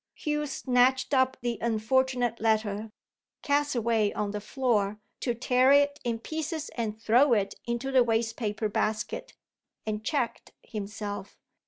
Hugh snatched up the unfortunate letter (cast away on the floor) to tear it in pieces and throw it into the waste paper basket and checked himself.